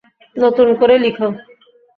নতুন করে লিখো।